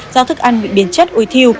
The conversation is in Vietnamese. do thức ăn bị biến chất ui thiêu